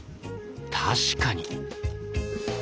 確かに！